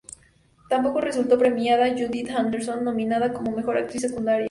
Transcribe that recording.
Tampoco resultó premiada Judith Anderson, nominada como mejor actriz secundaria.